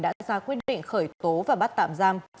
đã ra quyết định khởi tố và bắt tạm giam